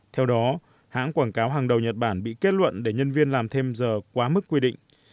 theo đó hãng quảng cáo hàng đầu nhật bản bị kết luận để nhân viên làm thêm giờ quá mức quy định